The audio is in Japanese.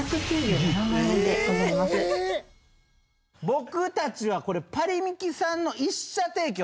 僕たちはこれパリミキさんの一社提供。